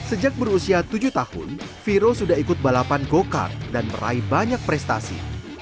sejak berusia tujuh tahun viro sudah ikut balapan go kart dan meraih banyak prestasi